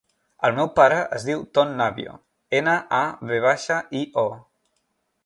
El meu pare es diu Tom Navio: ena, a, ve baixa, i, o.